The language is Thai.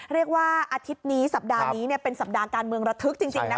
เรียกว่าอาทิตย์นี้สัปดาห์นี้เป็นสัปดาห์การเมืองระทึกจริงนะ